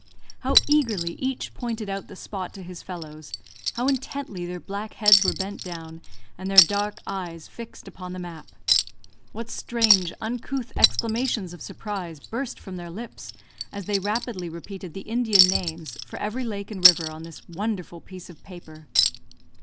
How eagerly each pointed out the spot to his fellows; how intently their black heads were bent down, and their dark eyes fixed upon the map. What strange, uncouth exclamations of surprise burst from their lips as they rapidly repeated the Indian names for every lake and river on this wonderful piece of paper.